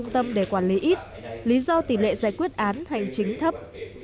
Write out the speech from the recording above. tâm để quản lý ít lý do tỷ lệ giải quyết án hành chính thấp